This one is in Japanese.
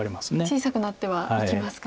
小さくなってはいきますか。